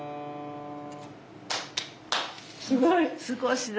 すごい。